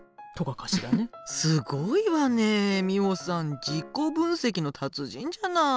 すごいわねミホさん自己分析の達人じゃない。